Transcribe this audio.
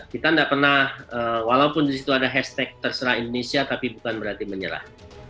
kita enggak pernah walaupun disitu ada hashtag terserah indonesia tapi bukan berarti menyerah